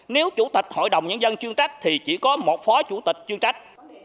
nếu chủ tịch hội đồng nhân dân chuyên trách thì chỉ có một phó chủ tịch chuyên trách